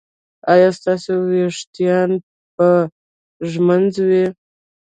ایا ستاسو ویښتان به ږمنځ وي؟